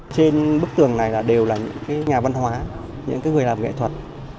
trên bức tường này đều là những nhà văn hóa những người làm nghệ thuật